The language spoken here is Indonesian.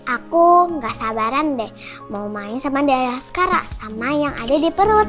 aku gak sabaran deh mau main sama daerah sekarang sama yang ada di perut